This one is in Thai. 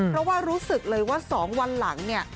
เพราะว่ารู้สึกเลยว่า๒วันหลังเนี่ย